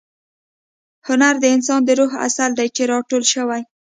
هنر د انسان د روح عسل دی چې را ټول شوی.